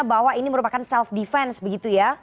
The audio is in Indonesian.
bahwa ini merupakan self defense begitu ya